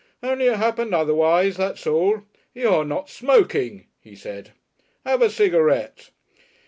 Only it happened otherwise, that's all. You're not smoking!" he said. "Have a cigarette?"